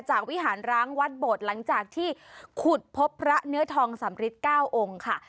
วิหารร้างวัดโบดหลังจากที่ขุดพบพระเนื้อทองสำริท๙องค์ค่ะ